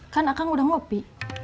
kan akang udah ngopi